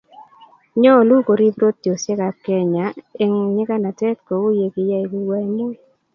nyoolu koriib rotiosiekab Kenya eng nyiganstet kou ye kiyai Kukoe Moi